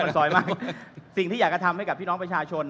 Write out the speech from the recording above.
ซอยมากสิ่งที่อยากจะทำให้กับพี่น้องประชาชน